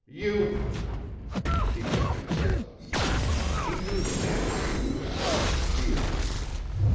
You " He checked himself. He knew the man would do as he most feared.